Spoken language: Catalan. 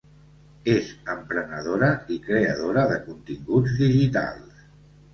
És emprenedora i creadora de continguts digitals.